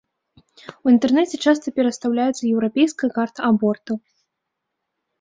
У інтэрнэце часта перастаўляецца еўрапейская карта абортаў.